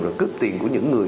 rồi cướp tiền của những người